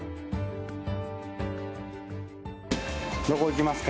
どこ行きますか？